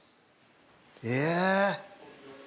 え！